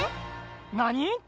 なに？